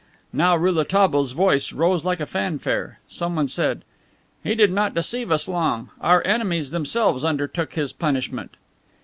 Now Rouletabille's voice rose like a fanfare. Someone said: "He did not deceive us long; our enemies themselves undertook his punishment."